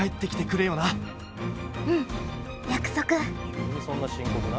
急にそんな深刻な？